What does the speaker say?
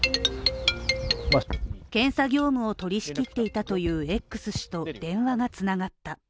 検査業務を取り仕切っていたというＸ氏と電話が繋がった。